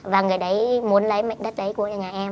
và người đấy muốn lấy mệnh đất đấy của nhà em